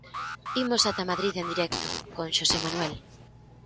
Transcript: Imos ata Madrid en directo, con Xosé Manuel.